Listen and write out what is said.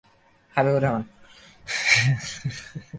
Rajshahi college চত্বরে এই মেলার উদ্বোধন করেন কলেজের অধ্যক্ষ হবিবুর রহমান।